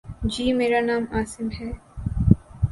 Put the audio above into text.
جی، میرا نام عاصم ہے